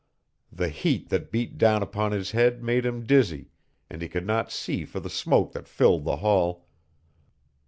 The heat that beat down upon his head made him dizzy, and he could not see for the smoke that filled the hall.